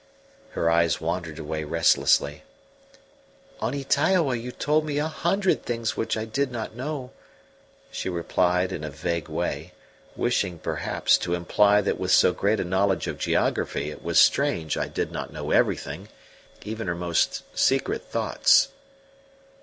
Her eyes wandered away restlessly. "On Ytaioa you told me a hundred things which I did not know," she replied in a vague way, wishing, perhaps, to imply that with so great a knowledge of geography it was strange I did not know everything, even her most secret thoughts.